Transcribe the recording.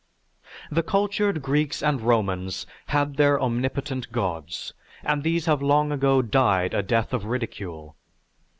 "_) The cultured Greeks and Romans had their omnipotent gods and these have long ago died a death of ridicule.